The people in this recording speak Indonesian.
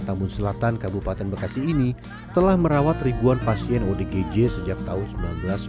tambun selatan kabupaten bekasi ini telah merawat ribuan pasien odgj sejak tahun seribu sembilan ratus sembilan puluh